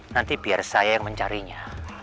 nanti biar saya yang mencarinya